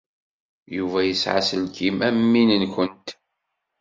Yuba yesɛa aselkim am win-nwent.